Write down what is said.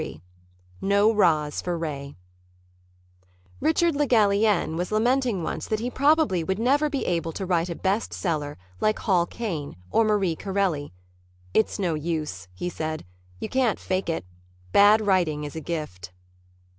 XXXIII NO 'RAHS FOR RAY Richard Le Gallienne was lamenting, once, that he probably would never be able to write a best seller like Hall Caine or Marie Corelli. "It's no use," he said. "You can't fake it. Bad writing is a gift."